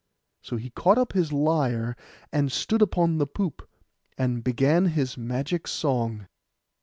So he caught up his lyre, and stood upon the poop, and began his magic song.